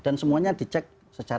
dan semuanya dicek juga ya